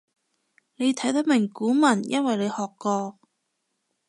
你睇得明古文因為你學過